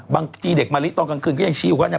บางทีเด็กมะลิตอนกลางคืนก็ยังชี้อยู่ว่า